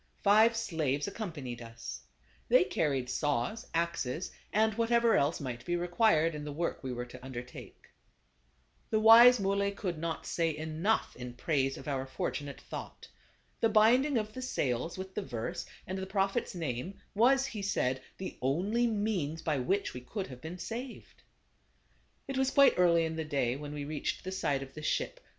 Five slaves accompanied us. They carried saws, axes and whatever else might be required in the work we were to undertake. The wise Muley could not say enough in praise of our fortunate thought. The binding of the sails with the verse and the Prophet's name was, he said, the only means by which we could have been saved. It was quite early in the day when we reached the side of the ship.